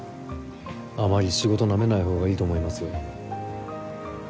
あまり仕事ナメないほうがいいと思いますよ。